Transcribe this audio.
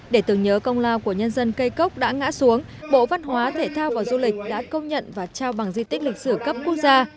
để tưởng nhớ công lao của nhân dân cây cốc đã ngã xuống bộ văn hóa thể thao và du lịch đã công nhận và trao bằng di tích lịch sử cấp quốc gia